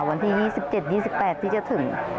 วันที่๒๗๒๘ที่จะถึง